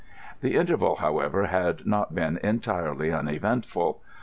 The interval, however, had not been entirely uneventful.